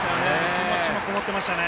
気持ちもこもってましたね。